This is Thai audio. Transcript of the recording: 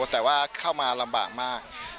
แต่ว่าเข้ามาลำบากมาก